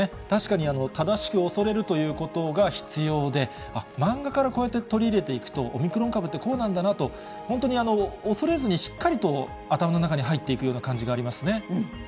確かに正しく恐れるということが必要で、漫画からこうやって取り入れていくと、オミクロン株ってこうなんだなと、本当に恐れずに、しっかりと頭の中に入っていくような感じがありますよね。